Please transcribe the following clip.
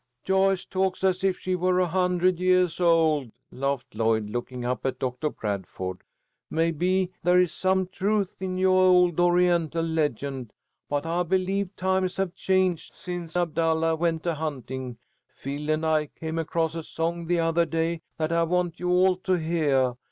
"Joyce talks as if she were a hundred yeahs old," laughed Lloyd, looking up at Doctor Bradford. "Maybe there is some truth in yoah old Oriental legend, but I believe times have changed since Abdallah went a hunting. Phil and I came across a song the othah day that I want you all to heah.